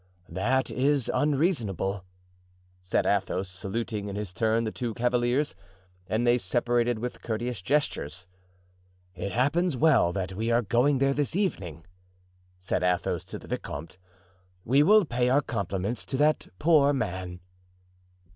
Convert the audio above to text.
"That is unreasonable," said Athos, saluting in his turn the two cavaliers. And they separated with courteous gestures. "It happens well that we are going there this evening," said Athos to the vicomte; "we will pay our compliments to that poor man."